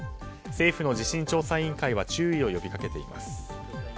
政府の地震調査委員会は注意を呼びかけています。